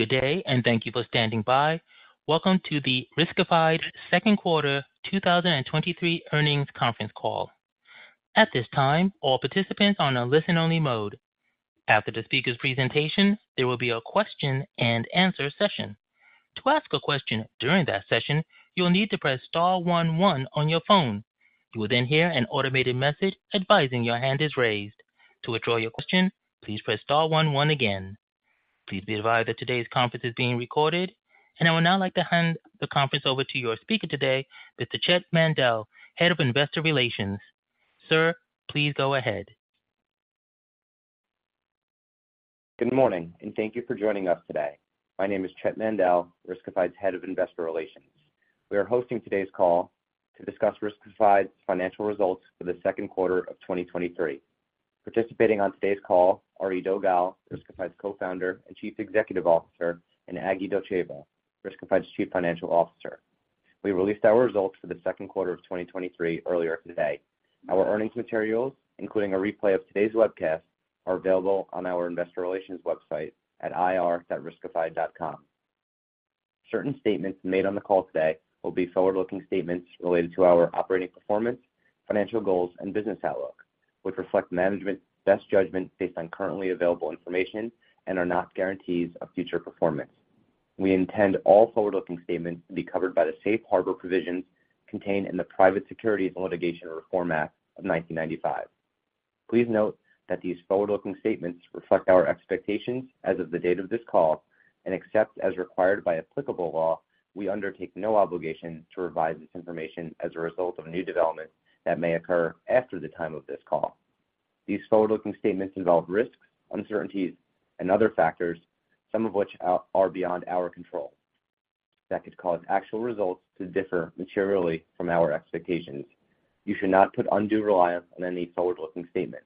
Good day, and thank you for standing by. Welcome to the Riskified Second Quarter 2023 Earnings Conference Call. At this time, all participants are on a listen-only mode. After the speaker's presentation, there will be a question and answer session. To ask a question during that session, you'll need to press star one one on your phone. You will then hear an automated message advising your hand is raised. To withdraw your question, please press star one one again. Please be advised that today's conference is being recorded. I would now like to hand the conference over to your speaker today, Mr. Chett Mandel, Head of Investor Relations. Sir, please go ahead. Good morning, and thank thank you for joining us today. My name is Chett Mandel, Riskified's Head of Investor Relations. We are hosting today's call to discuss Riskified's financial results for the second quarter of 2023. Participating on today's call are Eido Gal, Riskified's Co-founder and Chief Executive Officer, and Agi Dotcheva, Riskified's Chief Financial Officer. We released our results for the second quarter of 2023 earlier today. Our earnings materials, including a replay of today's webcast, are available on our investor relations website at ir.riskified.com. Certain statements made on the call today will be forward-looking statements related to our operating performance, financial goals, and business outlook, which reflect management's best judgment based on currently available information and are not guarantees of future performance. We intend all forward-looking statements to be covered by the safe harbor provisions contained in the Private Securities Litigation Reform Act of 1995. Please note that these forward-looking statements reflect our expectations as of the date of this call. Except as required by applicable law, we undertake no obligation to revise this information as a result of new developments that may occur after the time of this call. These forward-looking statements involve risks, uncertainties, and other factors, some of which are beyond our control, that could cause actual results to differ materially from our expectations. You should not put undue reliance on any forward-looking statement.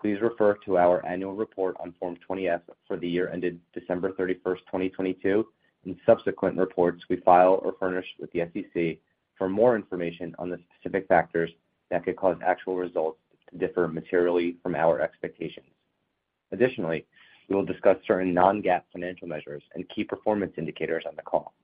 Please refer to our annual report on Form 20-F for the year ended December 31, 2022. Subsequent reports we file or furnish with the SEC for more information on the specific factors that could cause actual results to differ materially from our expectations. Additionally, we will discuss certain non-GAAP financial measures and key performance indicators on the call.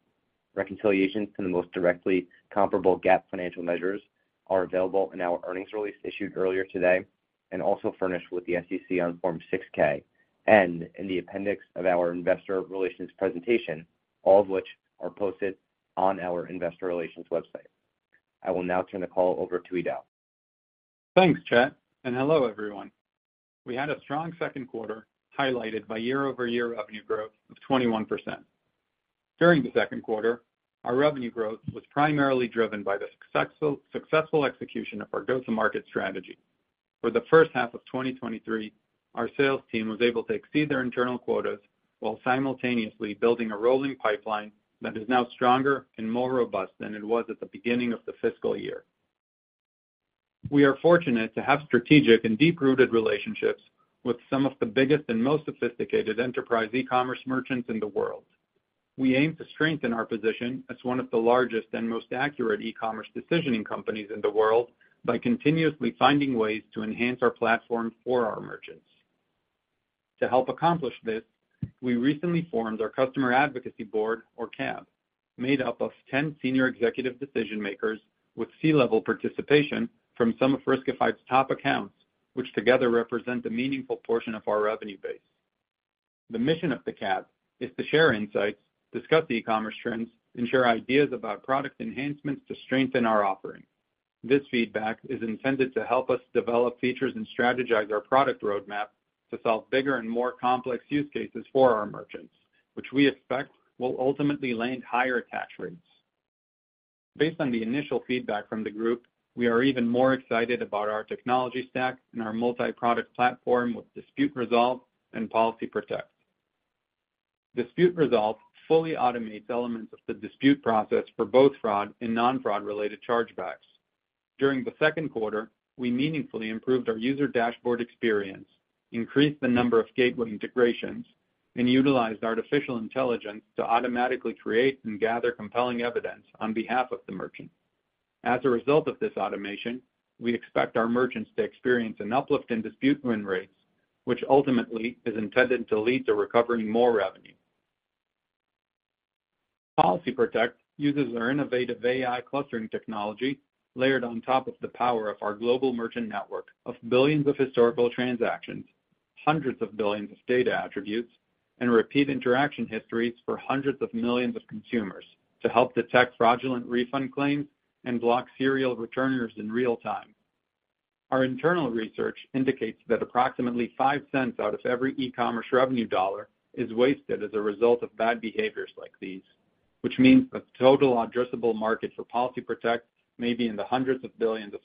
Reconciliations to the most directly comparable GAAP financial measures are available in our earnings release issued earlier today, and also furnished with the SEC on Form 6-K, and in the appendix of our investor relations presentation, all of which are posted on our investor relations website. I will now turn the call over to Eido. Thanks, Chett. Hello, everyone. We had a strong second quarter, highlighted by year-over-year revenue growth of 21%. During the second quarter, our revenue growth was primarily driven by the successful execution of our go-to-market strategy. For the first half of 2023, our sales team was able to exceed their internal quotas while simultaneously building a rolling pipeline that is now stronger and more robust than it was at the beginning of the fiscal year. We are fortunate to have strategic and deep-rooted relationships with some of the biggest and most sophisticated enterprise e-commerce merchants in the world. We aim to strengthen our position as one of the largest and most accurate e-commerce decisioning companies in the world by continuously finding ways to enhance our platform for our merchants. To help accomplish this, we recently formed our Customer Advocacy Board, or CAB, made up of 10 senior executive decision-makers with C-level participation from some of Riskified's top accounts, which together represent a meaningful portion of our revenue base. The mission of the CAB is to share insights, discuss the e-commerce trends, and share ideas about product enhancements to strengthen our offering. This feedback is intended to help us develop features and strategize our product roadmap to solve bigger and more complex use cases for our merchants, which we expect will ultimately land higher attach rates. Based on the initial feedback from the group, we are even more excited about our technology stack and our multi-product platform with Dispute Resolve and Policy Protect. Dispute Resolve fully automates elements of the dispute process for both fraud and non-fraud-related chargebacks. During the second quarter, we meaningfully improved our user dashboard experience, increased the number of gateway integrations, and utilized artificial intelligence to automatically create and gather compelling evidence on behalf of the merchant. As a result of this automation, we expect our merchants to experience an uplift in dispute win rates, which ultimately is intended to lead to recovering more revenue. Policy Protect uses our innovative AI clustering technology, layered on top of the power of our global merchant network of billions of historical transactions, hundreds of billions of data attributes, and repeat interaction histories for hundreds of millions of consumers to help detect fraudulent refund claims and block serial returners in real time. Our internal research indicates that approximately $0.05 out of every e-commerce revenue dollar is wasted as a result of bad behaviors like these, which means the total addressable market for Policy Protect may be in the $100 billion. A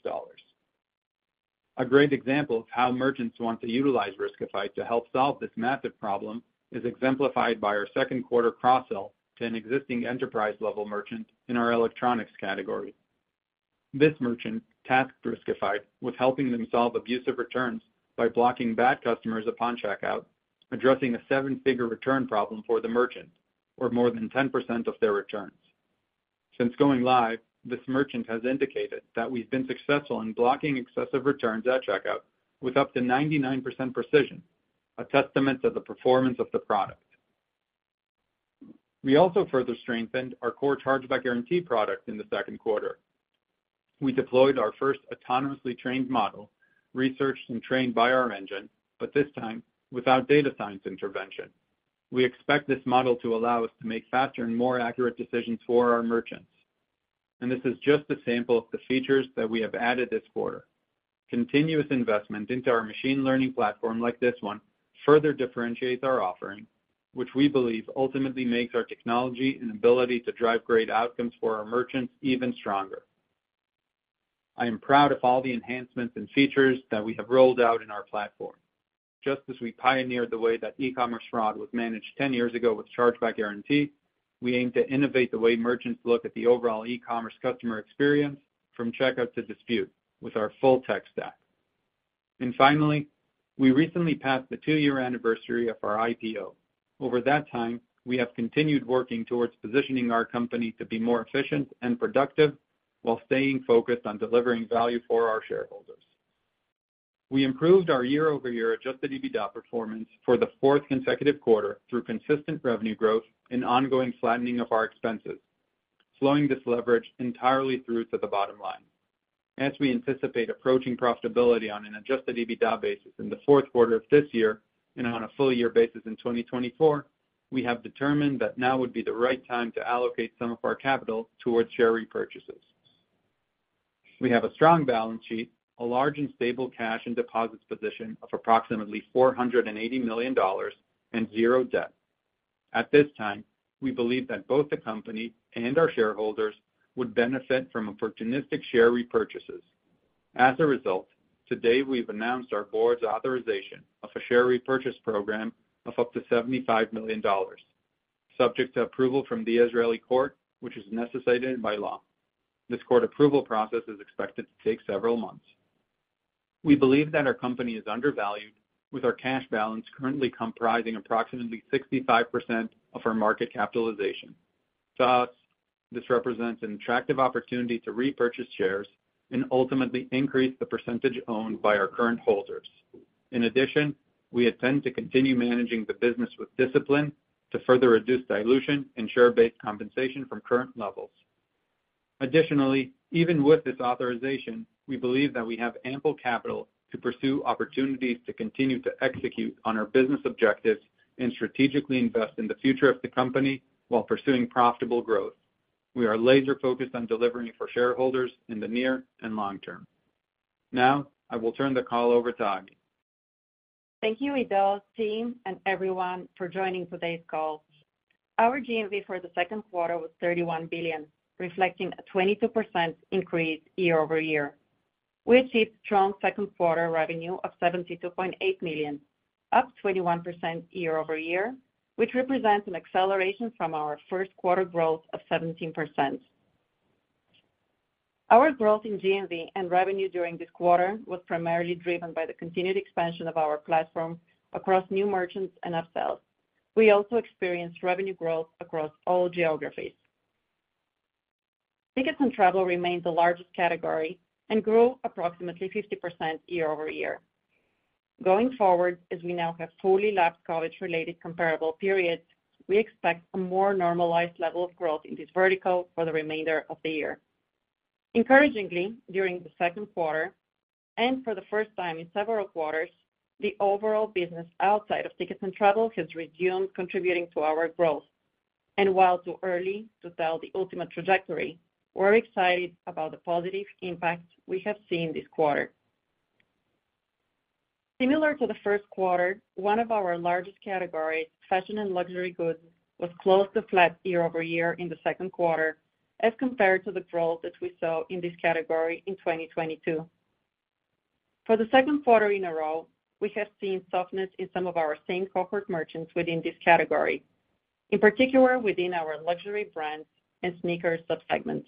great example of how merchants want to utilize Riskified to help solve this massive problem is exemplified by our second quarter cross-sell to an existing enterprise-level merchant in our electronics category. This merchant tasked Riskified with helping them solve abusive returns by blocking bad customers upon checkout, addressing a seven-figure return problem for the merchant, or more than 10% of their returns. Since going live, this merchant has indicated that we've been successful in blocking excessive returns at checkout with up to 99% precision, a testament to the performance of the product. We also further strengthened our core Chargeback Guarantee product in the second quarter. We deployed our first autonomously trained model, researched and trained by our engine, but this time, without data science intervention. We expect this model to allow us to make faster and more accurate decisions for our merchants. This is just a sample of the features that we have added this quarter. Continuous investment into our machine learning platform like this one, further differentiates our offering, which we believe ultimately makes our technology and ability to drive great outcomes for our merchants even stronger. I am proud of all the enhancements and features that we have rolled out in our platform. Just as we pioneered the way that e-commerce fraud was managed 10 years ago with Chargeback Guarantee, we aim to innovate the way merchants look at the overall e-commerce customer experience from checkout to dispute with our full tech stack. Finally, we recently passed the two-year anniversary of our IPO. Over that time, we have continued working towards positioning our company to be more efficient and productive, while staying focused on delivering value for our shareholders. We improved our year-over-year Adjusted EBITDA performance for the fourth consecutive quarter through consistent revenue growth and ongoing flattening of our expenses, flowing this leverage entirely through to the bottom line. As we anticipate approaching profitability on an Adjusted EBITDA basis in the fourth quarter of this year and on a full year basis in 2024, we have determined that now would be the right time to allocate some of our capital towards share repurchases. We have a strong balance sheet, a large and stable cash and deposits position of approximately $480 million and zero debt. At this time, we believe that both the company and our shareholders would benefit from opportunistic share repurchases. As a result, today we've announced our Board's authorization of a share repurchase program of up to $75 million, subject to approval from the Israeli court, which is necessitated by law. This court approval process is expected to take several months. We believe that our company is undervalued, with our cash balance currently comprising approximately 65% of our market capitalization. Thus, this represents an attractive opportunity to repurchase shares and ultimately increase the percentage owned by our current holders. In addition, we intend to continue managing the business with discipline to further reduce dilution and share-based compensation from current levels. Additionally, even with this authorization, we believe that we have ample capital to pursue opportunities to continue to execute on our business objectives and strategically invest in the future of the company while pursuing profitable growth. We are laser-focused on delivering for shareholders in the near and long-term. Now, I will turn the call over to Agi. Thank you, Eido, team, and everyone for joining today's call. Our GMV for the second quarter was $31 billion, reflecting a 22% increase year-over-year. We achieved strong second quarter revenue of $72.8 million, up 21% year-over-year, which represents an acceleration from our first quarter growth of 17%. Our growth in GMV and revenue during this quarter was primarily driven by the continued expansion of our platform across new merchants and upsells. We also experienced revenue growth across all geographies. Tickets and travel remains the largest category and grew approximately 50% year-over-year. Going forward, as we now have fully lapsed college-related comparable periods, we expect a more normalized level of growth in this vertical for the remainder of the year. Encouragingly, during the second quarter, and for the first time in several quarters, the overall business outside of tickets and travel has resumed, contributing to our growth. While too early to tell the ultimate trajectory, we're excited about the positive impact we have seen this quarter. Similar to the first quarter, one of our largest categories, fashion and luxury goods, was close to flat year-over-year in the second quarter as compared to the growth that we saw in this category in 2022. For the second quarter in a row, we have seen softness in some of our same cohort merchants within this category, in particular within our luxury brands and sneaker subsegments.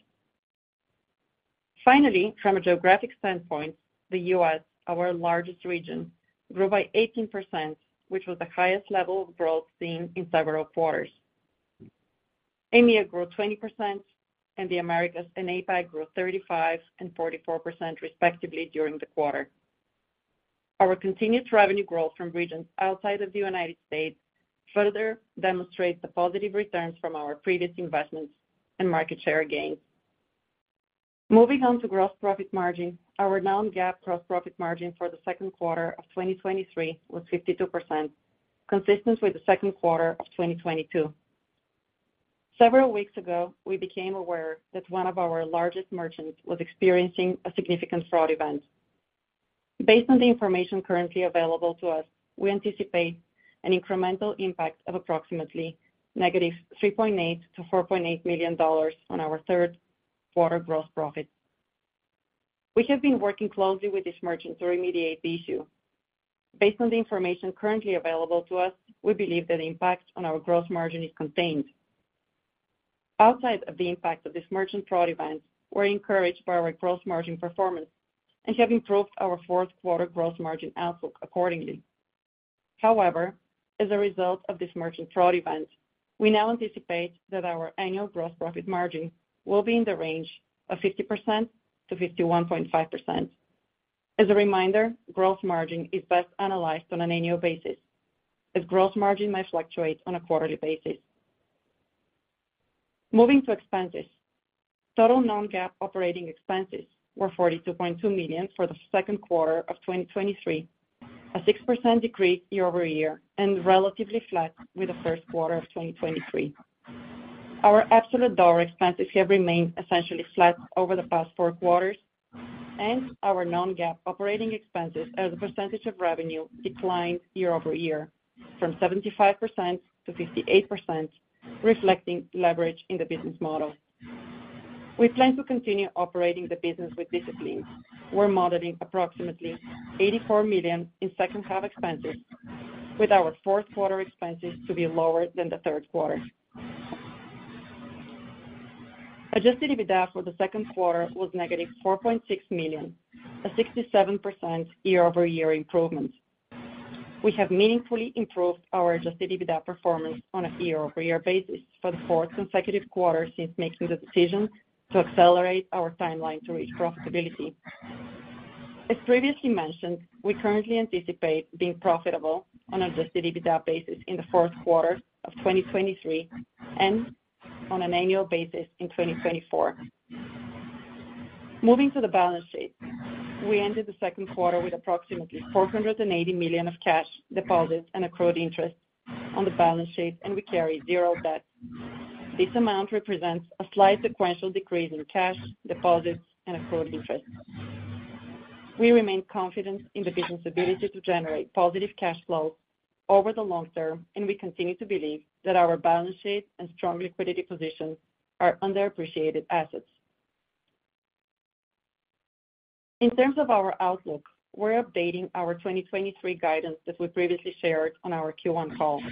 Finally, from a geographic standpoint, the U.S., our largest region, grew by 18%, which was the highest level of growth seen in several quarters. EMEA grew 20%, and the Americas and APAC grew 35% and 44%, respectively, during the quarter. Our continuous revenue growth from regions outside of the United States further demonstrates the positive returns from our previous investments and market share gains. Moving on to gross profit margin. Our non-GAAP gross profit margin for the second quarter of 2023 was 52%, consistent with the second quarter of 2022. Several weeks ago, we became aware that one of our largest merchants was experiencing a significant fraud event. Based on the information currently available to us, we anticipate an incremental impact of approximately negative $3.8 million-$4.8 million on our third quarter gross profit. We have been working closely with this merchant to remediate the issue. Based on the information currently available to us, we believe that the impact on our gross margin is contained. Outside of the impact of this merchant fraud event, we're encouraged by our gross margin performance and have improved our fourth quarter gross margin outlook accordingly. However, as a result of this merchant fraud event, we now anticipate that our annual gross profit margin will be in the range of 50%-51.5%. As a reminder, gross margin is best analyzed on an annual basis, as gross margin may fluctuate on a quarterly basis. Moving to expenses, total non-GAAP operating expenses were $42.2 million for the second quarter of 2023, a 6% decrease year-over-year, and relatively flat with the first quarter of 2023. Our absolute dollar expenses have remained essentially flat over the past 4 quarters, and our non-GAAP operating expenses as a percentage of revenue declined year-over-year from 75% to 58%, reflecting leverage in the business model. We plan to continue operating the business with discipline. We're modeling approximately $84 million in second half expenses, with our fourth quarter expenses to be lower than the third quarter. Adjusted EBITDA for the second quarter was -$4.6 million, a 67% year-over-year improvement. We have meaningfully improved our Adjusted EBITDA performance on a year-over-year basis for the fourth consecutive quarter since making the decision to accelerate our timeline to reach profitability. As previously mentioned, we currently anticipate being profitable on Adjusted EBITDA basis in the fourth quarter of 2023 and on an annual basis in 2024. Moving to the balance sheet. We ended the second quarter with approximately $480 million of cash deposits and accrued interest on the balance sheet, and we carry zero debt. This amount represents a slight sequential decrease in cash, deposits, and accrued interest. We remain confident in the business' ability to generate positive cash flow over the long-term, and we continue to believe that our balance sheet and strong liquidity position are underappreciated assets. In terms of our outlook, we're updating our 2023 guidance that we previously shared on our Q1 call.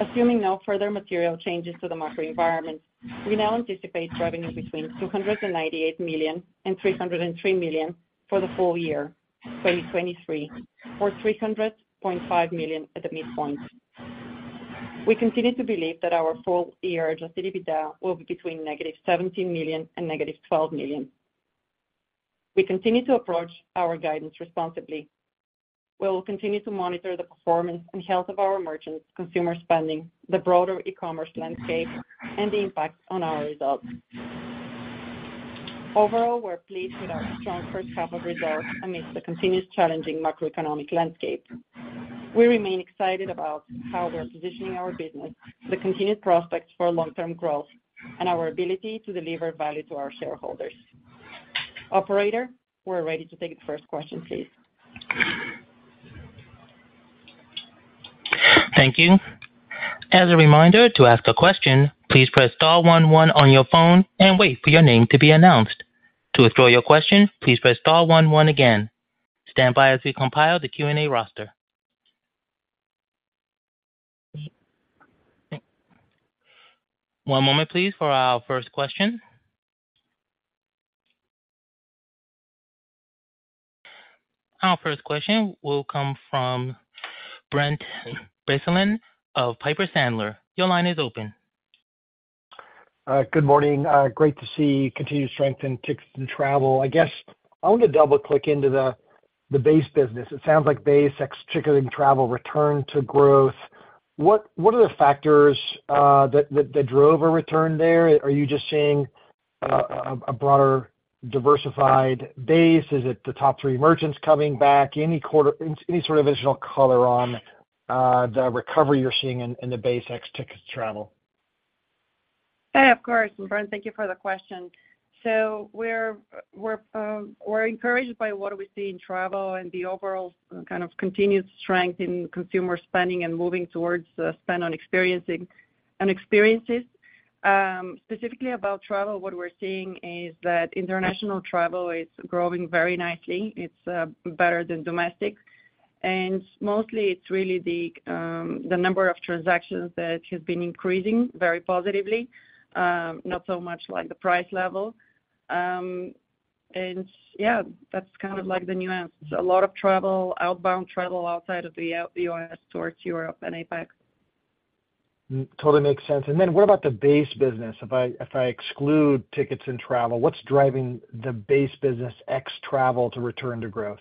Assuming no further material changes to the macro environment, we now anticipate revenue between $298 million and $303 million for the full year 2023, or $300.5 million at the midpoint. We continue to believe that our full year Adjusted EBITDA will be between -$17 million and -$12 million. We continue to approach our guidance responsibly. We will continue to monitor the performance and health of our merchants, consumer spending, the broader e-commerce landscape, and the impact on our results. Overall, we're pleased with our strong first half of results amidst the continuous challenging macroeconomic landscape. We remain excited about how we're positioning our business, the continued prospects for long-term growth, and our ability to deliver value to our shareholders. Operator, we're ready to take the first question, please. Thank you. As a reminder, to ask a question, please press star one one on your phone and wait for your name to be announced. To withdraw your question, please press star one one again. Stand by as we compile the Q&A roster. One moment, please, for our first question. Our first question will come from Brent Bracelin of Piper Sandler. Your line is open. Good morning. Great to see continued strength in tickets and travel. I guess I want to double-click into the base business. It sounds like base ex ticketing travel returned to growth. What are the factors that drove a return there? Are you just seeing a broader diversified base? Is it the top three merchants coming back? Any sort of additional color on the recovery you're seeing in the base ex-tickets and travel? Of course, Brent, thank you for the question. We're, we're, we're encouraged by what we see in travel and the overall kind of continued strength in consumer spending and moving towards spend on experiencing and experiences. Specifically about travel, what we're seeing is that international travel is growing very nicely. It's better than domestic, and mostly it's really the number of transactions that has been increasing very positively, not so much like the price level. Yeah, that's kind of like the nuance. A lot of travel, outbound travel outside of the U.S. towards Europe and APAC. Totally makes sense. Then what about the base business? If I exclude tickets and travel, what's driving the base business ex-travel to return to growth?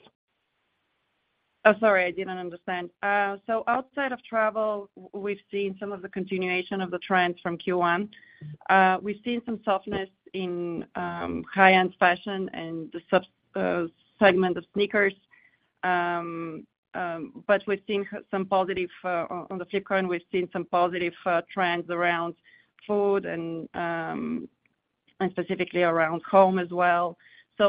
Outside of travel, we've seen some of the continuation of the trend from Q1. We've seen some softness in high-end fashion and the sub segment of sneakers. We've seen some positive on the flip coin, we've seen some positive trends around food and specifically around home as well.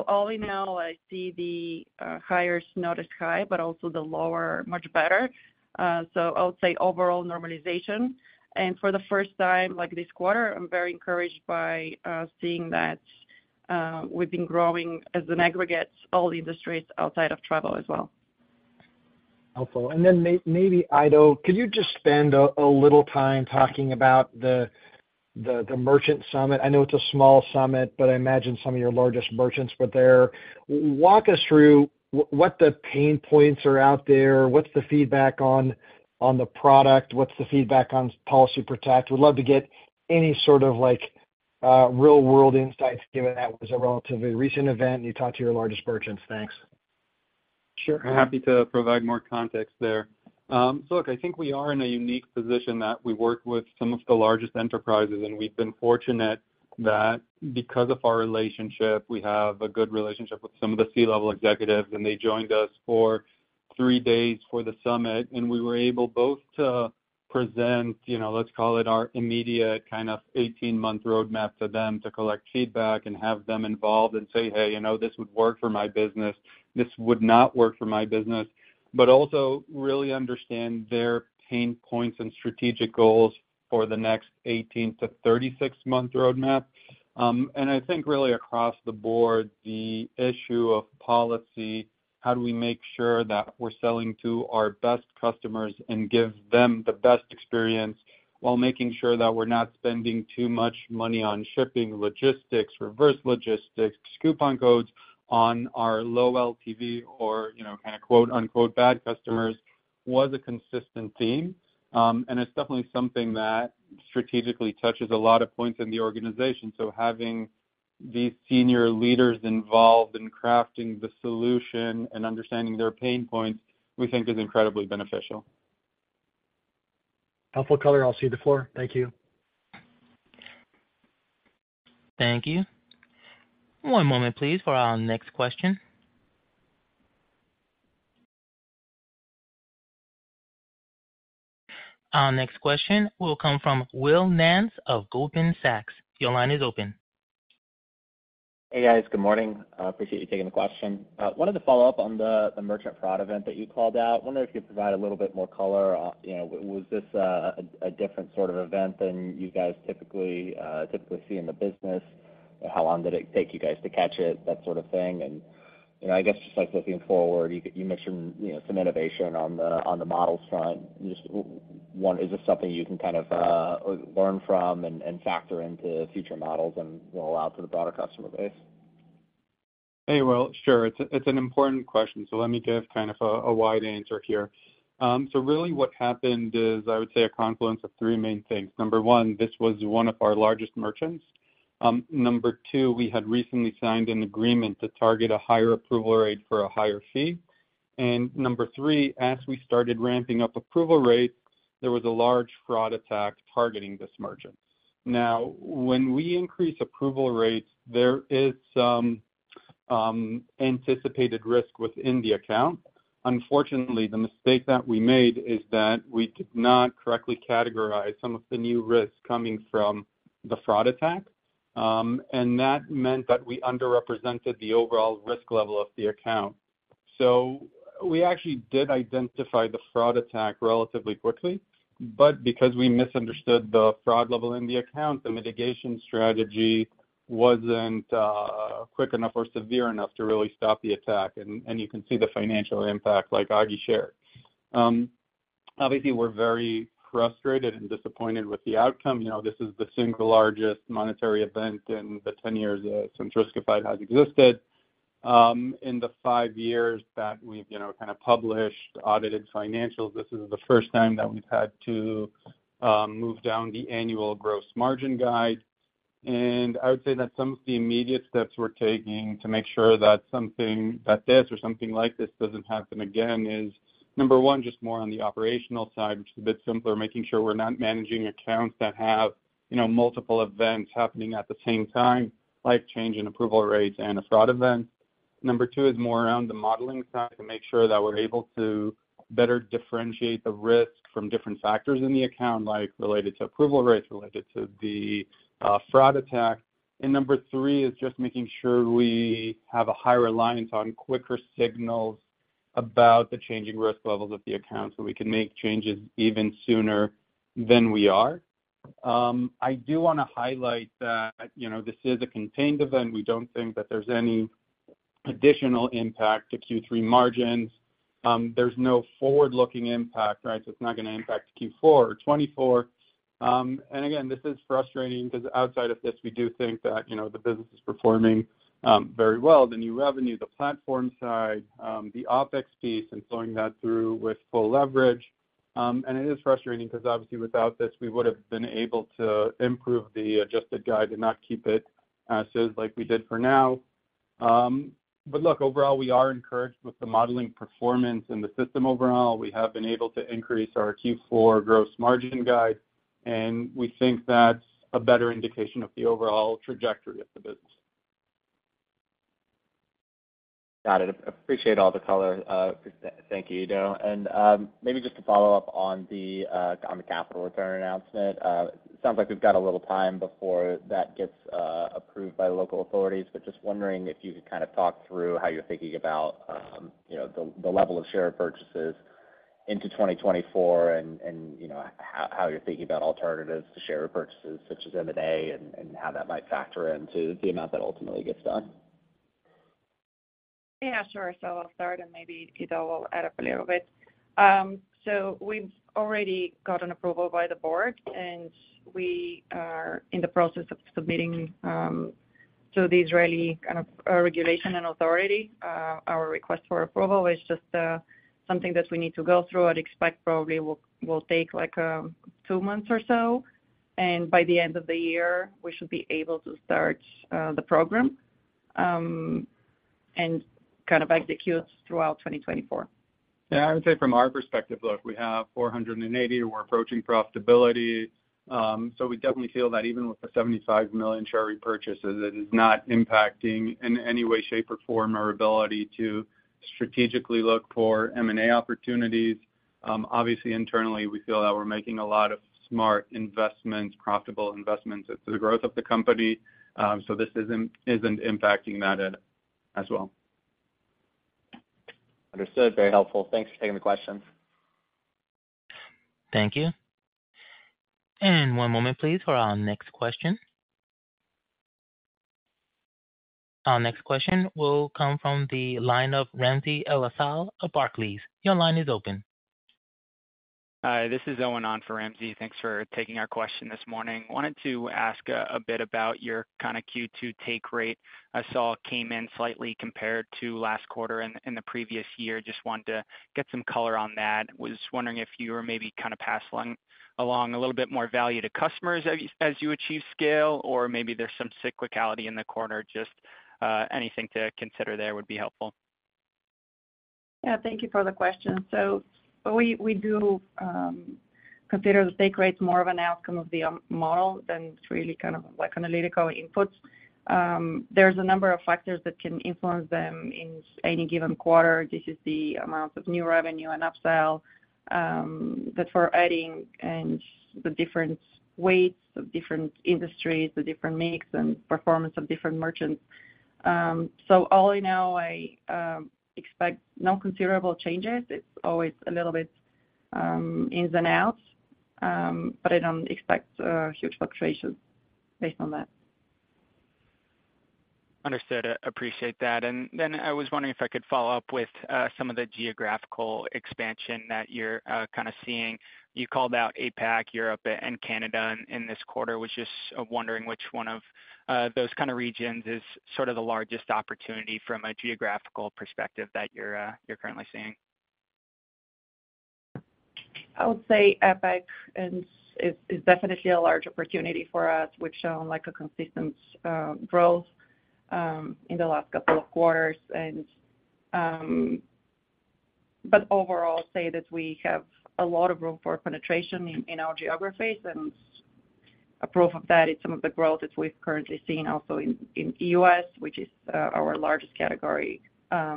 All in all, I see the higher is not as high, but also the lower, much better. I would say overall normalization. For the first time, like this quarter, I'm very encouraged by seeing that we've been growing as an aggregate, all industries outside of travel as well. Helpful. Maybe I do, could you just spend a little time talking about the Merchant Summit? I know it's a small summit, but I imagine some of your largest merchants were there. Walk us through what the pain points are out there. What's the feedback on the product? What's the feedback on Policy Protect? Would love to get any sort of like, real world insights, given that was a relatively recent event, and you talked to your largest merchants. Thanks. Sure, happy to provide more context there. Look, I think we are in a unique position that we work with some of the largest enterprises, and we've been fortunate that because of our relationship, we have a good relationship with some of the C-level executives, and they joined us for three days for the summit, and we were able both to present, you know, let's call it, our immediate kind of 18-month roadmap to them to collect feedback and have them involved and say, "Hey, you know, this would work for my business. This would not work for my business," but also really understand their pain points and strategic goals for the next 18 to 36-month roadmap. I think really across the board, the issue of policy, how do we make sure that we're selling to our best customers and give them the best experience while making sure that we're not spending too much money on shipping, logistics, reverse logistics, coupon codes on our low LTV or, you know, kind of quote-unquote, bad customers, was a consistent theme. It's definitely something that strategically touches a lot of points in the organization. Having these senior leaders involved in crafting the solution and understanding their pain points, we think is incredibly beneficial. Helpful color. I'll cede the floor. Thank you. Thank you. One moment, please, for our next question. Our next question will come from Will Nance of Goldman Sachs. Your line is open. Hey, guys, good morning. I appreciate you taking the question. Wanted to follow up on the merchant fraud event that you called out. I wonder if you could provide a little bit more color. You know, was this a different sort of event than you guys typically see in the business? How long did it take you guys to catch it, that sort of thing? You know, I guess just like looking forward, you mentioned, you know, some innovation on the model side. Is this something you can kind of learn from and factor into future models and roll out to the broader customer base? Hey, Will. Sure. It's, it's an important question, so let me give kind of a, a wide answer here. So really what happened is, I would say, a confluence of three main things. Number one, this was one of our largest merchants. Number two, we had recently signed an agreement to target a higher approval rate for a higher fee. Number three, as we started ramping up approval rates, there was a large fraud attack targeting this merchant. When we increase approval rates, there is some anticipated risk within the account. Unfortunately, the mistake that we made is that we did not correctly categorize some of the new risks coming from the fraud attack, and that meant that we underrepresented the overall risk level of the account. We actually did identify the fraud attack relatively quickly, but because we misunderstood the fraud level in the account, the mitigation strategy wasn't quick enough or severe enough to really stop the attack, and, and you can see the financial impact, like Agi shared. Obviously, we're very frustrated and disappointed with the outcome. You know, this is the single largest monetary event in the 10 years that since Riskified has existed. In the five years that we've, you know, kind of published audited financials, this is the first time that we've had to move down the annual gross margin guide. I would say that some of the immediate steps we're taking to make sure that something, that this or something like this doesn't happen again, is number one, just more on the operational side, which is a bit simpler, making sure we're not managing accounts that have, you know, multiple events happening at the same time, like change in approval rates and a fraud event. Number two is more around the modeling side to make sure that we're able to better differentiate the risk from different factors in the account, like related to approval rates, related to the fraud attack. Number three is just making sure we have a higher reliance on quicker signals about the changing risk levels of the account, so we can make changes even sooner than we are. I do wanna highlight that, you know, this is a contained event. We don't think that there's any additional impact to Q3 margins. There's no forward-looking impact, right? It's not gonna impact Q4 or 2024. Again, this is frustrating because outside of this, we do think that, you know, the business is performing very well. The new revenue, the platform side, the OpEx piece, and flowing that through with full leverage. It is frustrating because obviously, without this, we would've been able to improve the adjusted guide and not keep it as is like we did for now. Look, overall, we are encouraged with the modeling performance and the system overall. We have been able to increase our Q4 gross margin guide, and we think that's a better indication of the overall trajectory of the business. Got it. Appreciate all the color. Thank you, Eido. Maybe just to follow up on the capital return announcement. It sounds like we've got a little time before that gets approved by local authorities, but just wondering if you could kind of talk through how you're thinking about, you know, the, the level of share purchases into 2024 and, you know, how you're thinking about alternatives to share purchases such as M&A and, and how that might factor into the amount that ultimately gets done? Yeah, sure. I'll start, and maybe Eido will add up a little bit. We've already gotten approval by the Board, and we are in the process of submitting to the Israeli regulation and authority. Our request for approval is just something that we need to go through and expect probably will take like, two months or so. By the end of the year, we should be able to start the program and execute throughout 2024. Yeah, I would say from our perspective, look, we have $480 million. We're approaching profitability. We definitely feel that even with the $75 million share repurchases, it is not impacting in any way, shape, or form our ability to strategically look for M&A opportunities. Obviously, internally, we feel that we're making a lot of smart investments, profitable investments into the growth of the company. This isn't impacting that as well. Understood. Very helpful. Thanks for taking the questions. Thank you. One moment, please, for our next question. Our next question will come from the line of Ramsey El-Assal of Barclays. Your line is open. Hi, this is Owen on for Ramsey. Thanks for taking our question this morning. Wanted to ask a bit about your kind of Q2 take rate. I saw it came in slightly compared to last quarter and, and the previous year. Just wanted to get some color on that. Was wondering if you were maybe kind of passing along a little bit more value to customers as you, as you achieve scale, or maybe there's some cyclicality in the quarter. Just anything to consider there would be helpful. Yeah, thank you for the question. We, we do consider the take rate more of an outcome of the model than it's really kind of like analytical inputs. There's a number of factors that can influence them in any given quarter. This is the amount of new revenue and upsell that we're adding and the different weights of different industries, the different mix and performance of different merchants. All in all, I expect no considerable changes. It's always a little bit ins and outs, but I don't expect huge fluctuations based on that. Understood. I appreciate that. Then I was wondering if I could follow up with some of the geographical expansion that you're kind of seeing. You called out APAC, Europe, and Canada in this quarter. Was just wondering which one of those kind of regions is sort of the largest opportunity from a geographical perspective that you're currently seeing? I would say APAC and is definitely a large opportunity for us. We've shown like a consistent growth in the last couple of quarters. Overall, say that we have a lot of room for penetration in our geographies, and a proof of that is some of the growth that we've currently seen also in U.S., which is our largest category,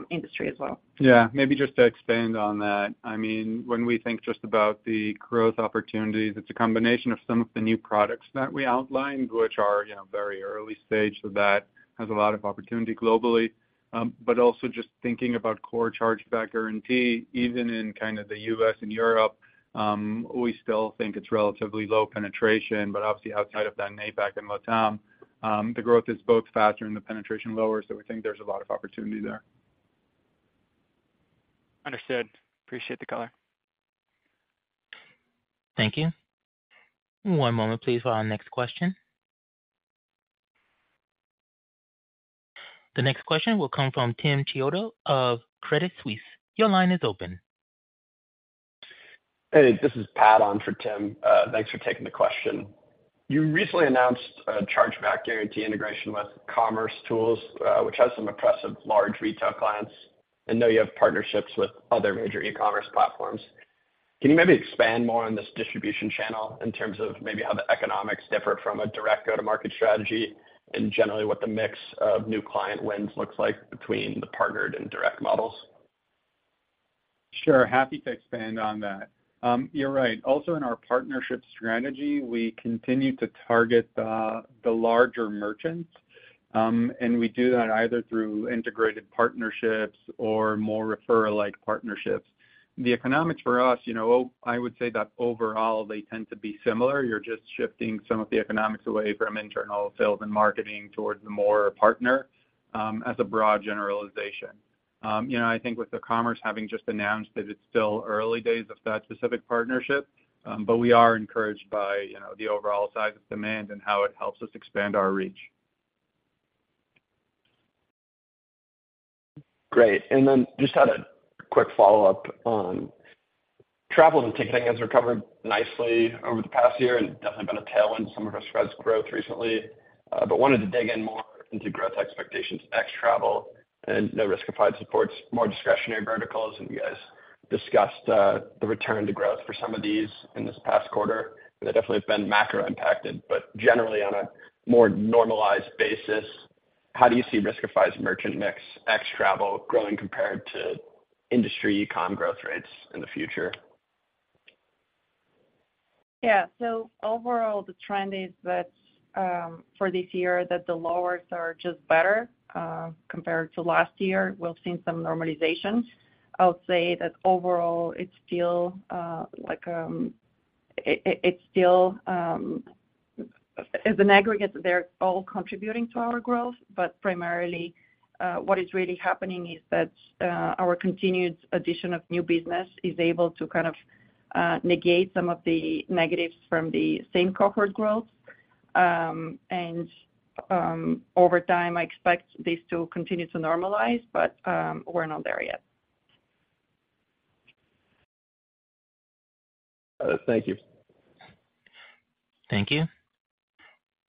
industry as well. Yeah, maybe just to expand on that. I mean, when we think just about the growth opportunities, it's a combination of some of the new products that we outlined, which are, you know, very early stage. That has a lot of opportunity globally. Also just thinking about core Chargeback Guarantee, even in kind of the U.S. and Europe, we still think it's relatively low penetration. Obviously, outside of that, APAC and LATAM, the growth is both faster and the penetration lower, so we think there's a lot of opportunity there. Understood. Appreciate the color. Thank you. One moment, please, for our next question. The next question will come from Tim Chiodo of Credit Suisse. Your line is open. Hey, this is Pat on for Tim. Thanks for taking the question. You recently announced a Chargeback Guarantee integration with commercetools, which has some impressive large retail clients. I know you have partnerships with other major e-commerce platforms. Can you maybe expand more on this distribution channel in terms of maybe how the economics differ from a direct go-to-market strategy, and generally, what the mix of new client wins looks like between the partnered and direct models? Sure, happy to expand on that. You're right. Also, in our partnership strategy, we continue to target the larger merchants, and we do that either through integrated partnerships or more referral-like partnerships. The economics for us, you know, I would say that overall they tend to be similar. You're just shifting some of the economics away from internal sales and marketing towards more partner, as a broad generalization. You know, I think with the commercetools having just announced that it's still early days of that specific partnership. We are encouraged by, you know, the overall size of demand and how it helps us expand our reach. Great. Then just had a quick follow-up on travel and ticketing has recovered nicely over the past year and definitely been a tailwind to some of Riskified's growth recently. Wanted to dig in more into growth expectations, ex travel, and the Riskified supports more discretionary verticals, and you guys discussed, the return to growth for some of these in this past quarter, and they definitely have been macro impacted. Generally, on a more normalized basis, how do you see Riskified's merchant mix, ex-travel, growing compared to industry e-com growth rates in the future? Yeah. Overall, the trend is that, for this year, that the lowers are just better, compared to last year. We've seen some normalization. I would say that overall it's still, like, as an aggregate, they're all contributing to our growth, but primarily, what is really happening is that, our continued addition of new business is able to kind of, negate some of the negatives from the same cohort growth. Over time, I expect this to continue to normalize, but, we're not there yet. Thank you. Thank you.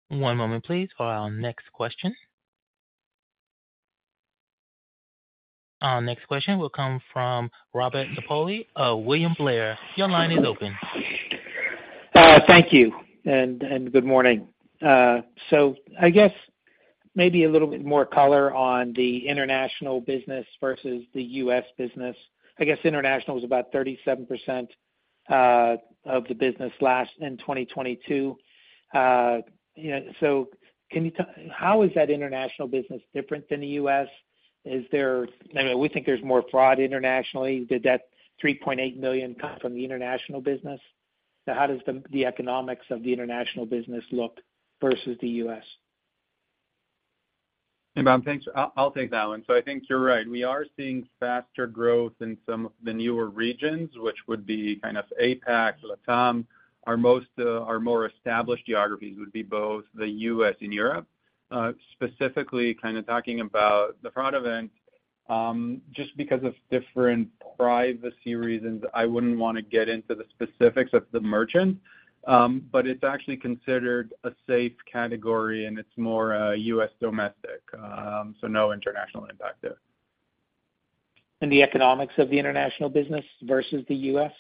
One moment, please, for our next question. Our next question will come from Robert Napoli of William Blair. Your line is open. Thank you, and good morning. I guess maybe a little bit more color on the international business versus the U.S. business. I guess international was about 37% of the business last in 2022. You know, can you tell, how is that international business different than the U.S.? Is there? I mean, we think there's more fraud internationally. Did that $3.8 million come from the international business? How does the economics of the international business look versus the U.S.? Hey, Bob. Thanks. I'll take that one. I think you're right. We are seeing faster growth in some of the newer regions, which would be APAC, LATAM. Our most, our more established geographies would be both the U.S. and Europe. Specifically, talking about the fraud event, just because of different privacy reasons, I wouldn't wanna get into the specifics of the merchant, but it's actually considered a safe category, and it's more, U.S. domestic. No international impact there. The economics of the international business versus the U.S.?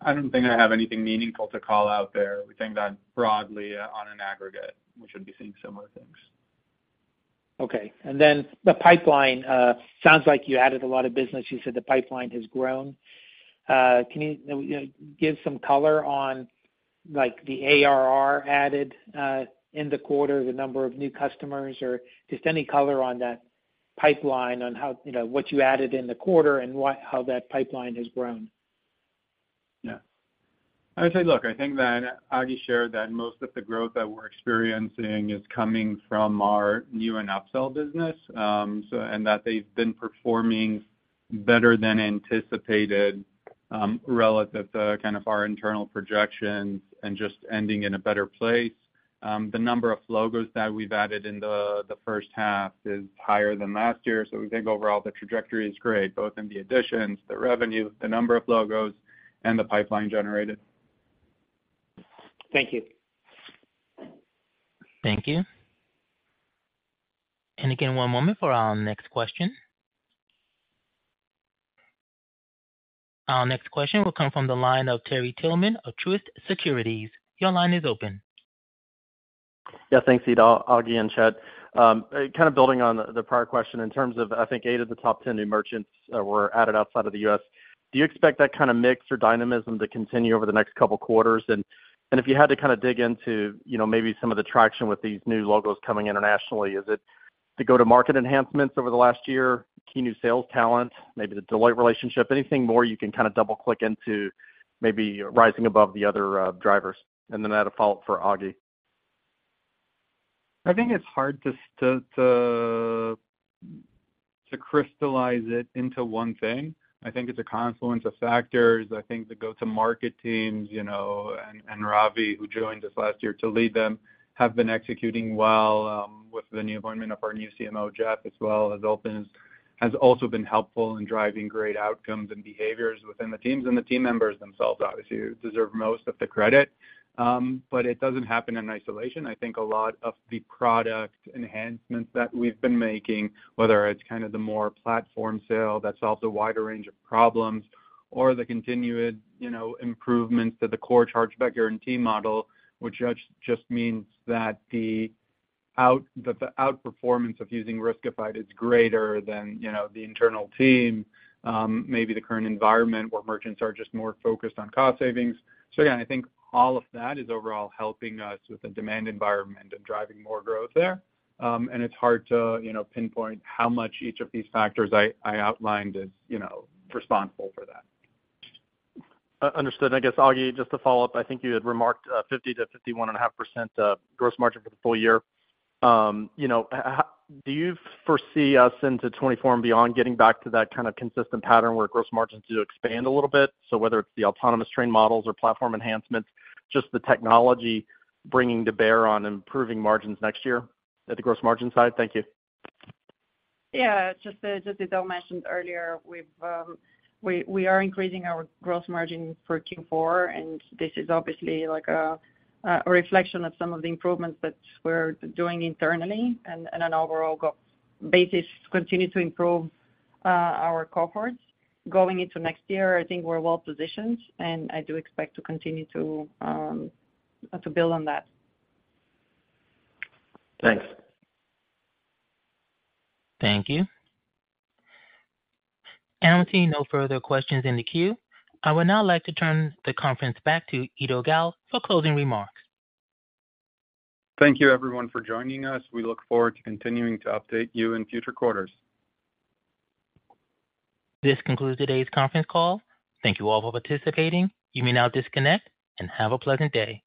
I don't think I have anything meaningful to call out there. We think that broadly on an aggregate, we should be seeing similar things. Okay. The pipeline, sounds like you added a lot of business. You said the pipeline has grown. Can you, you know, give some color on, like, the ARR added in the quarter, the number of new customers, or just any color on that pipeline, on how, you know, what you added in the quarter and how that pipeline has grown? Yeah. I would say, look, I think that Agi shared that most of the growth that we're experiencing is coming from our new and upsell business. And that they've been performing better than anticipated, relative to kind of our internal projections and just ending in a better place. The number of logos that we've added in the, the first half is higher than last year, so we think overall the trajectory is great, both in the additions, the revenue, the number of logos, and the pipeline generated. Thank you. Thank you. Again, one moment for our next question. Our next question will come from the line of Terry Tillman of Truist Securities. Your line is open. Yeah. Thanks, Eido, Agi, and Chett. Kind of building on the prior question, in terms of, I think, eight of the top 10 new merchants were added outside of the U.S. Do you expect that kind of mix or dynamism to continue over the next couple quarters? If you had to kind of dig into, you know, maybe some of the traction with these new logos coming internationally, is it the go-to-market enhancements over the last year, key new sales talent, maybe the Deloitte relationship? Anything more you can kinda double-click into, maybe rising above the other drivers? Then I had a follow-up for Agi. I think it's hard to crystallize it into one thing. I think it's a confluence of factors. I think the go-to-market teams, you know, and Ravi, who joined us last year to lead them, have been executing well, with the new appointment of our new CMO, Jeff, as well as Owen has also been helpful in driving great outcomes and behaviors within the teams. The team members themselves obviously deserve most of the credit, but it doesn't happen in isolation. I think a lot of the product enhancements that we've been making, whether it's kind of the more platform sale that solves a wider range of problems or the continued, you know, improvements to the core Chargeback Guarantee model, which just means that the outperformance of using Riskified is greater than, you know, the internal team, maybe the current environment where merchants are just more focused on cost savings. Yeah, I think all of that is overall helping us with the demand environment and driving more growth there. It's hard to, you know, pinpoint how much each of these factors I, I outlined is, you know, responsible for that. Understood. I guess, Agi, just to follow up, I think you had remarked 50% to 51.5% gross margin for the full year. you know, how do you foresee us into 2024 and beyond getting back to that kind of consistent pattern where gross margins do expand a little bit? Whether it's the autonomous train models or platform enhancements, just the technology bringing to bear on improving margins next year at the gross margin side? Thank you. Yeah, just as Eido mentioned earlier, we are increasing our gross margin for Q4, and this is obviously like a reflection of some of the improvements that we're doing internally and an overall go basis continue to improve, our cohorts. Going into next year, I think we're well positioned, and I do expect to continue to, to build on that. Thanks. Thank you. I'm seeing no further questions in the queue. I would now like to turn the conference back to Eido Gal for closing remarks. Thank you everyone, for joining us. We look forward to continuing to update you in future quarters. This concludes today's conference call. Thank you all for participating. You may now disconnect and have a pleasant day.